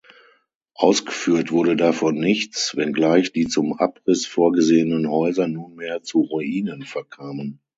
Ausgeführt wurde davon nichts, wenngleich die zum Abriss vorgesehenen Häuser nunmehr zu Ruinen verkamen.